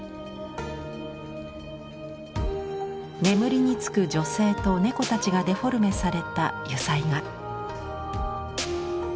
眠りにつく女性と猫たちがデフォルメされた油彩画。